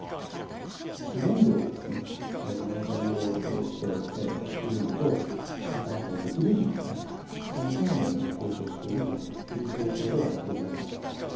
主原料が値上がりをしているのと、それからあと物流費ですね、こちらのほうも高騰しているという状況ではございます。